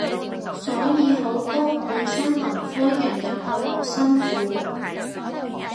所以好多本身文科人入去好辛苦